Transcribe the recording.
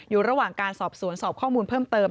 อยู่ระหว่างการสอบสวนสอบข้อมูลเพิ่มเติม